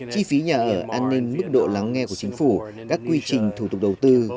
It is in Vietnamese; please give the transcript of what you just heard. chi phí nhà ở an ninh mức độ lắng nghe của chính phủ các quy trình thủ tục đầu tư